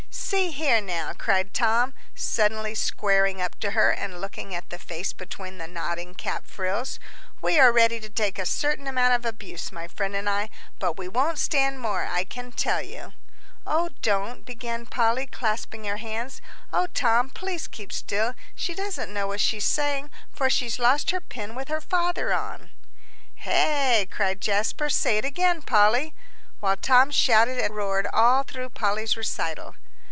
"See here, now," cried Tom, suddenly squaring up to her and looking at the face between the nodding cap frills, "we are ready to take a certain amount of abuse, my friend and I, but we won't stand more, I can tell you." "Oh, don't," began Polly, clasping her hands. "Oh, Tom, please keep still. She doesn't know what she's saying, for she's lost her pin with her father on." "Hey?" cried Jasper. "Say it again, Polly," while Tom shouted and roared all through Polly's recital.